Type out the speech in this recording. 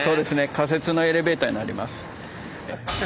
仮設のエレベーターになります。